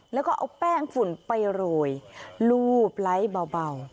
แล้วก็เอาแป้งฝุ่นไปหล่วยรูปไลท์เบาเบา